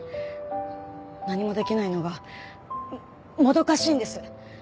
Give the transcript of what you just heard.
何もできないのがもどかしいんです。